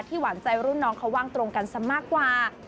หวานใจรุ่นน้องเขาว่างตรงกันซะมากกว่า